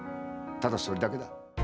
ただそれだけだ。